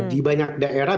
di banyak daerah